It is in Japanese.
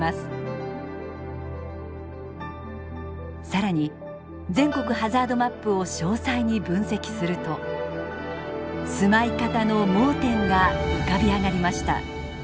更に全国ハザードマップを詳細に分析すると住まい方の盲点が浮かび上がりました。